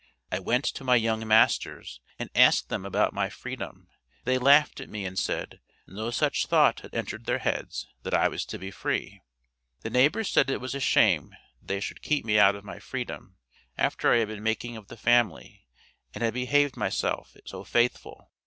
I went to my young masters and asked them about my freedom; they laughed at me and said, no such thought had entered their heads, that I was to be free. The neighbors said it was a shame that they should keep me out of my freedom, after I had been the making of the family, and had behaved myself so faithful.